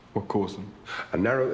apa yang menyebabkannya